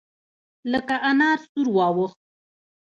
لکه انار سور واوښت.